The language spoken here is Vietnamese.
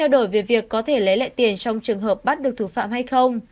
đổi về việc có thể lấy lại tiền trong trường hợp bắt được thủ phạm hay không